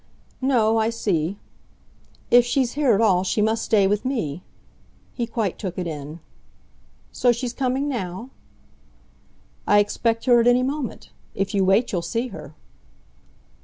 "No; I see." "If she's here at all she must stay with me." He quite took it in. "So she's coming now?" "I expect her at any moment. If you wait you'll see her."